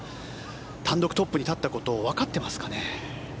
単独トップに立ったことをわかってますかね。